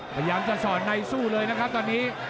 พยายามจะสอดในสู้เลยนะครับตอนนี้